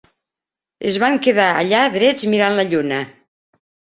Es van quedar allà drets mirant la lluna.